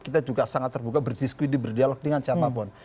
kita juga sangat terbuka berdiskusi berdialog dengan siapapun